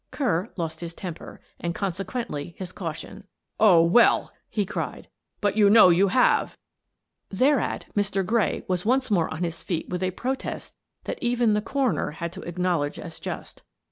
Kerr lost his temper — and, consequently, his caution. " Oh, well," he cried, " but you know you have !" Thereat Mr. Gray was once more on his feet with a protest that even the coroner had to ac knowledge as just.